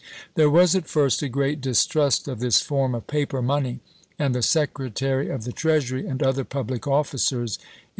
There was, at first, a great distrust of this form of paper money, and the J. J. Knox. Secretary of the Treasury and other public officers, "United • j j.